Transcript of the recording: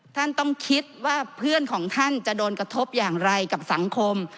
ท่านต้องคิดว่าเพื่อนของท่านจะโดนกระทบอย่างไรกับสังคม